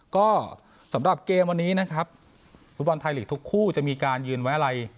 ก็สำหรับเกมวันนี้นะครับฟุตบอลไทยลีกทุกคู่จะมีการยืนไว้อะไร